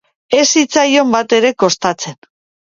Ez zitzaion bat ere kostatzen.